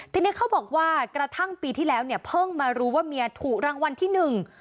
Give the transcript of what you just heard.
ทีนี้เขาบอกว่ากระทั่งปีที่แล้วเนี่ยเพิ่งมารู้ว่าเมียถูกรางวัลที่หนึ่ง